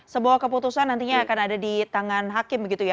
sebuah keputusan nantinya akan ada di tangan hakim begitu ya